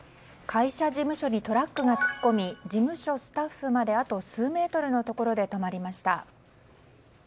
会社事務所にトラックが突っ込み事務所スタッフまであと数メートルのところで止まりました。